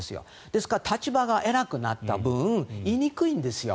ですから立場が偉くなった分言いにくいんですよ。